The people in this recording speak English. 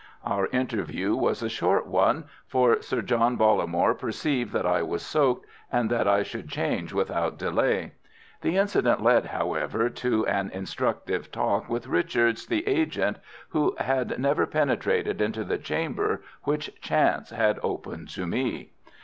Our interview was a short one, for Sir John Bollamore perceived that I was soaked, and that I should change without delay. The incident led, however, to an instructive talk with Richards, the agent, who had never penetrated into the chamber which chance had opened to me.